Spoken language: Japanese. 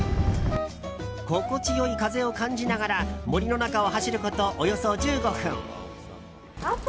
心地良い風を感じながら森の中を走ることおよそ１５分。